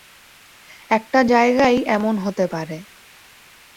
একটা জায়গাই এমন হতে পারে।